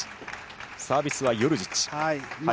サービスはヨルジッチ。